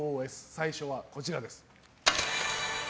最初はこちらです。